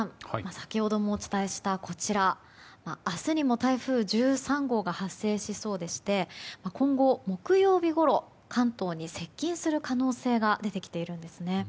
先ほどもお伝えしたこちら明日にも台風１３号が発生しそうでして今後、木曜日ごろ関東に接近する可能性が出てきているんですね。